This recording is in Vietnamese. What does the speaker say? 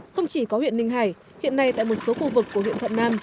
không chỉ có huyện ninh hải hiện nay tại một số khu vực của huyện thuận nam